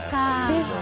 でした。